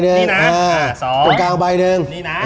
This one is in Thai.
ตรงกลาง๑ใบ